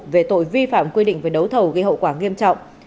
về tội vi phạm quy định về đấu thầu gây hậu quả nghiêm trọng